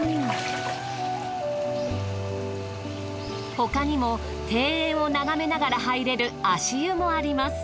他にも庭園を眺めながら入れる足湯もあります。